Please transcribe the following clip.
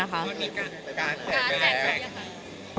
มีการแจกไปไหน